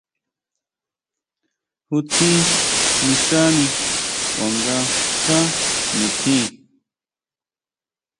¿Ju tjín nixani kuanga xá nitjín?